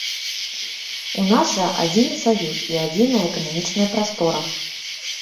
У нас жа адзіны саюз і адзіная эканамічная прастора.